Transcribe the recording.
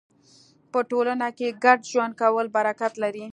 په ټولنه کې ګډ ژوند کول برکت لري.